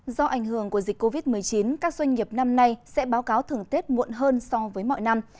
do ảnh hưởng của dịch covid một mươi chín các doanh nghiệp năm nay sẽ báo cáo thường tết muộn hơn so với mọi năm